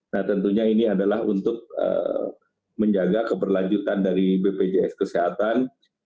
nah tentunya ini adalah untuk menjaga keberlanjutan dari bpjs kesehatan